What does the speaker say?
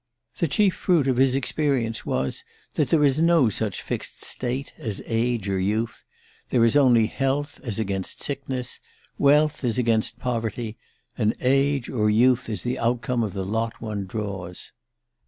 The chief fruit of his experience was that there is no such fixed state as age or youth there is only health as against sickness, wealth as against poverty; and age or youth as the outcome of the lot one draws.